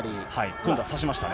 今度は差しましたね。